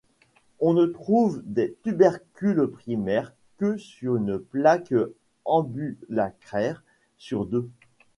On ne trouve des tubercules primaires que sur une plaque ambulacraire sur deux.